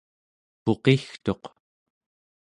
puqigtuq